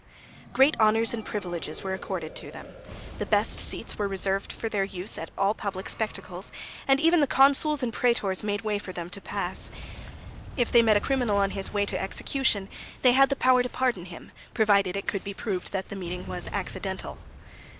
Great honours and privileges were accorded to them; the best seats were reserved for their use at all public spectacles, and even the consuls and prætors made way for them to pass. If they met a criminal on his way to execution they had the power to pardon him, provided it could be proved that the meeting was accidental.